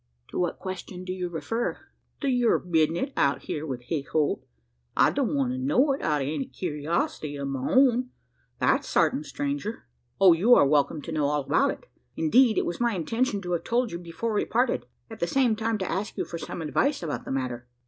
"To what question to you refer?" "To your bisness out here wi' Hick Holt. I don't want to know it, out o' any curiosity o' my own that's sartin, stranger." "You are welcome to know all about it. Indeed, it was my intention to have told you before we parted at the same time to ask you for some advice about the matter."